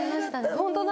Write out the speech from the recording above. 本当だ